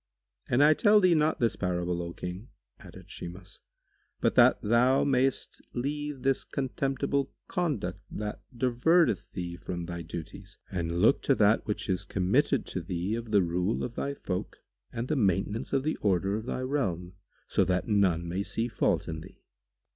"And I tell thee not this parable, O King," added Shimas, "but that thou mayest leave this contemptible conduct that diverteth thee from thy duties and look to that which is committed to thee of the rule of thy folk and the maintenance of the order of thy realm, so that none may see fault in thee."